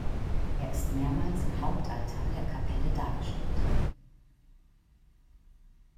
Er ist mehrmals im Hauptaltar der Kapelle dargestellt.